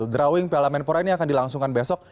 drawing piala menpora ini akan dilangsungkan besok